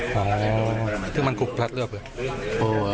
กองเราเก็บกี่คนนะ